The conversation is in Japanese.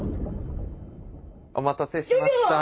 お待たせしました。